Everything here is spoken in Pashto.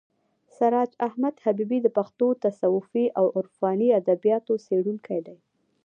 سراج احمد حبیبي د پښتو تصوفي او عرفاني ادبیاتو څېړونکی دی.